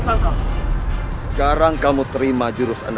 sang penguasa kerajaan penyelidikan